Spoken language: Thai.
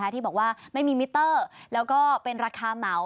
ที่บอกว่าไม่มีมิเตอร์แล้วก็เป็นราคาเหมา